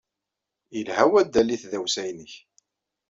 Yelha waddal i tdawsa-nnek.